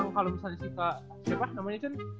kalau misalnya si si siapa namanya chen